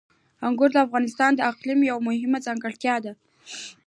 انګور د افغانستان د اقلیم یوه مهمه ځانګړتیا ده.